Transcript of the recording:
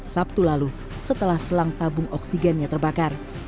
sabtu lalu setelah selang tabung oksigennya terbakar